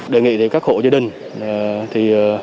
đề nghị các hộ gia đình